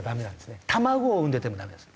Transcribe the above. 卵を産んでてもダメです。